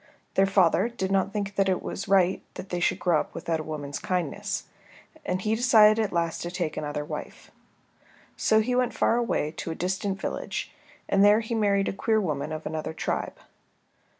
Their father did not think it was right that they should grow up without a woman's kindness, and he decided at last to take another wife. So he went far away to a distant village and there he married a queer woman of another tribe.